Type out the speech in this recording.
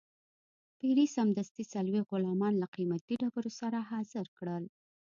پیري سمدستي څلوېښت غلامان له قیمتي ډبرو سره حاضر کړل.